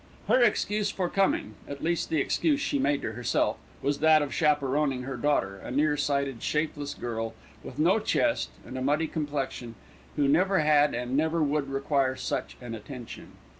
Her excuse for coming, at least the excuse she made to herself, was that of chaperoning her daughter, a near sighted, shapeless girl, with no chest and a muddy complexion, who never had and never would require such an attention.